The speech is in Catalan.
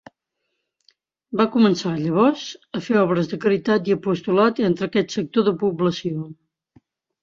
Va començar, llavors, a fer obres de caritat i apostolat entre aquest sector de població.